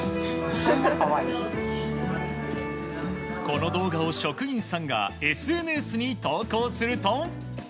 この動画を職員さんがＳＮＳに投稿すると。